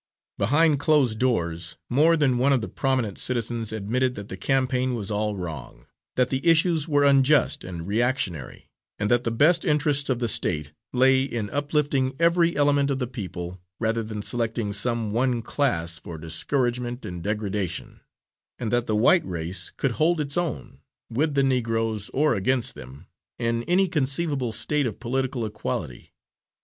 Behind closed doors, more than one of the prominent citizens admitted that the campaign was all wrong; that the issues were unjust and reactionary, and that the best interests of the State lay in uplifting every element of the people rather than selecting some one class for discouragement and degradation, and that the white race could hold its own, with the Negroes or against them, in any conceivable state of political equality.